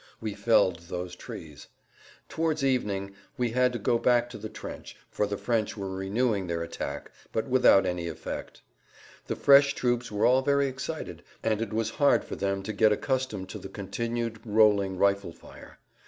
We felled those trees. Towards evening we had to go back to the trench, for the French were renewing their attacks, but without any effect. The fresh troops were all very excited, and it was hard for them to get accustomed to the continued rolling rifle fire.